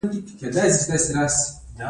ایا زه باید د غاښونو تار وکاروم؟